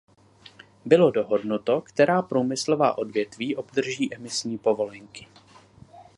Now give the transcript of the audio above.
Bylo dohodnuto, která průmyslová odvětví obdrží emisní povolenky.